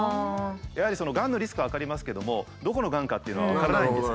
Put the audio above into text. やはりがんのリスクは分かりますけどもどこのがんかっていうのは分からないんです。